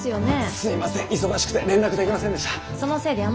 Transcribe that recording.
すいません忙しくて連絡できませんでした。